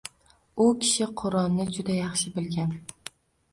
U kishi Qur’onni juda yaxshi bilgan.